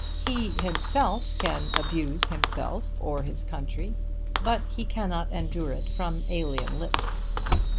He himself can abuse himself, or his country; but he cannot endure it from alien lips.